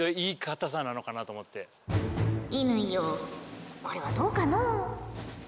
乾よこれはどうかのう？